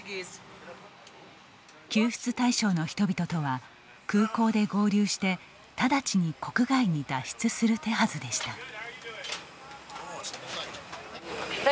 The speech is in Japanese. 救出対象の人々とは空港で合流して直ちに国外に脱出する手はずでした。